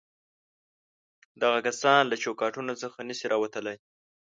دغه کسان له چوکاټونو څخه نه شي راوتلای.